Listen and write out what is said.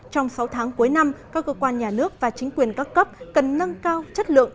trong sáu tháng cuối năm các cơ quan nhà nước và chính quyền các cấp cần nâng cao chất lượng